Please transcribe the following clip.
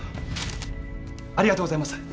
ありがとうございます。